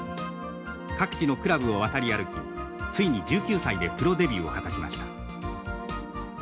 各地のクラブを渡り歩きついに１９歳でプロデビューを果たしました。